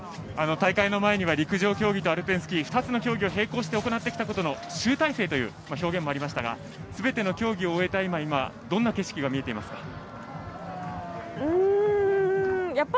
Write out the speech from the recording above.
大会前に陸上競技とアルペンスキー２つの競技を平行して行ってきたことの集大成という表現もありましたがすべての競技を終えた今どんな景色が見えていますか。